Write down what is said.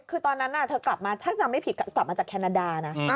คือตอนนั้นเธอกลับมาถ้าจำไม่ผิดกลับมาจากแคนาดานะ